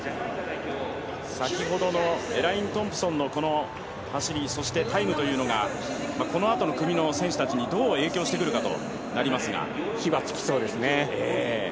先ほどのエレイン・トンプソンの走り、そしてタイムというのが、この後の組の選手たちにどう火はつきそうですね。